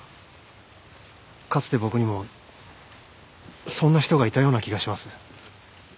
かつて僕にもそんな人がいたような気がします。